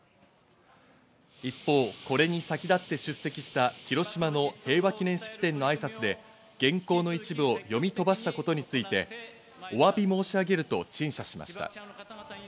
一方、これに先立って出席した広島の平和記念式典のあいさつで、原稿の一部を読み飛ばしたことについて、お詫び申し上げると陳謝しました。